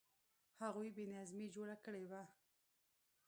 هغوی بې نظمي جوړه کړې وه.